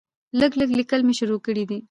لږ لږ ليکل مې شروع کړي دي